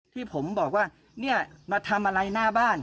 ที่ผมบอกว่าเนี่ยมาทำอะไรหน้าบ้าน